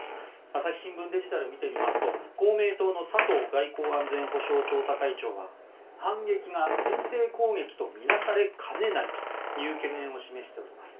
朝日新聞デジタルを見てみますと公明党の佐藤外交安全保障調査会長は反撃が先制攻撃と見なされかねないという懸念を示しております。